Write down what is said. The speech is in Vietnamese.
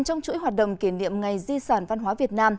trong chuỗi hoạt động kỷ niệm ngày di sản văn hóa việt nam